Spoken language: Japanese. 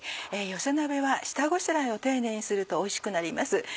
寄せ鍋は下ごしらえを丁寧にするとおいしくなります。